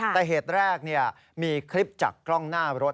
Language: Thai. แต่เหตุแรกมีคลิปจากกล้องหน้ารถ